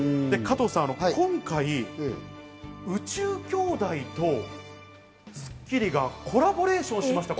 加藤さん、今回『宇宙兄弟』と『スッキリ』がコラボレーションしました。